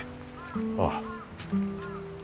ああ。